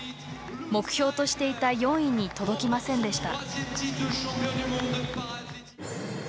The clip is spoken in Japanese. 目標としていた４位に届きませんでした。